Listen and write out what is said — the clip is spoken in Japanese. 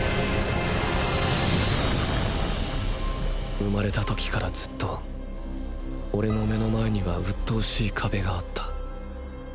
生まれた時からずっとオレの目の前にはうっとうしい壁があった。